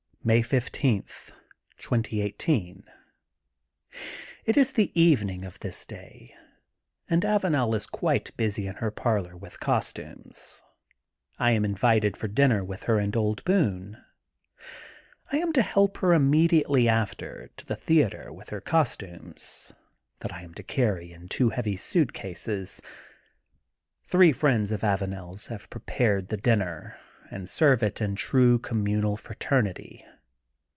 May 15, 2018: — ^It is the evening of this day and Avanel is quite busy in her parlor with costumes. I am invited for dinner with her and old Boone. I am to help her immedi ately after to the theatre with her costumes that I am to carry in two heavy suitcases. Three friends of AvanePs have prepared the dinner and serve it in true communal frater nity.